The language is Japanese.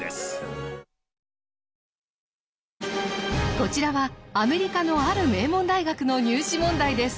こちらはアメリカのある名門大学の入試問題です。